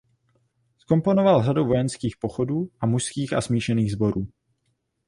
Zkomponoval řadu vojenských pochodů a mužských a smíšených sborů.